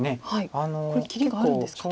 これ切りがあるんですか。